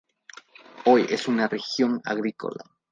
Hoy es una región agrícola.